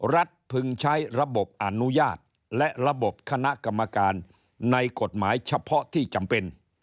พึงใช้ระบบอนุญาตและระบบคณะกรรมการในกฎหมายเฉพาะที่จำเป็น